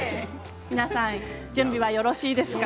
皆さん準備はよろしいですか。